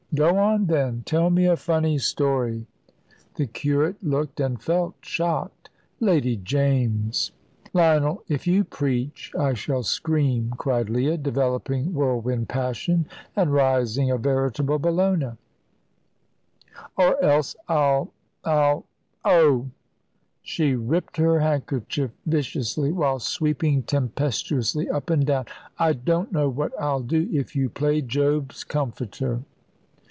"Go on, then. Tell me a funny story." The curate looked and felt shocked. "Lady James " "Lionel, if you preach I shall scream," cried Leah, developing whirlwind passion, and rising a veritable Bellona; "or else I'll I'll oh!" she ripped her handkerchief viciously, while sweeping tempestuously up and down. "I don't know what I'll do, if you play Job's comforter."